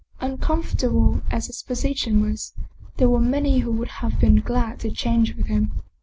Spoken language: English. Uncomfortable as his position was, there were many who would have been glad to change with him.